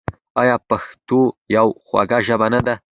آیا پښتو یوه خوږه ژبه نه ده؟